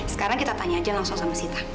sekarang kita tanya aja langsung sama sita